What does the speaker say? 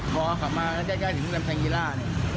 พอมาใกล้ถึงด้านแทนเยลล่า